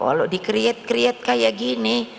kalau di create create kayak gini